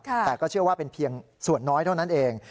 แต่ก็เชื่อว่าเป็นเพียงส่วนน้อยเท่านั้นเอง